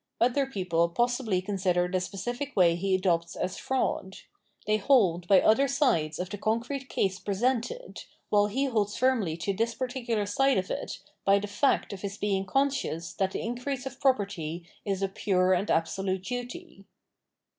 Other people possibly consider the specific way he adopts as fraud : they hold by other sides of the concrete case presented, while he holds firmly to * v.p. 418 ff. Conscience 655 this particular side of it by the fact of his being conscious that the increase of property is a pxire and absolute duty.